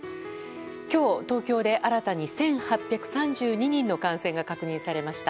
今日、東京で新たに１８３２人の感染が確認されました。